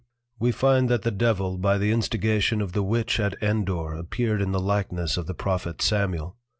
We find that the Devil by the Instigation of the Witch at Endor appeared in the Likeness of the Prophet Samuel.